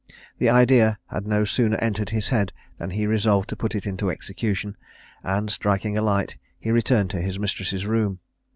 The idea had no sooner entered his head than he resolved to put it into execution, and, striking a light, he returned to his mistress's room.